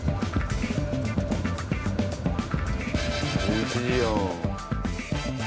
１１時よ。